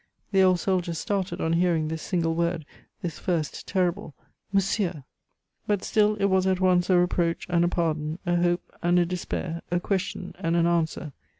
The old soldier started on hearing this single word, this first, terrible "monsieur!" But still it was at once a reproach and a pardon, a hope and a despair, a question and an answer.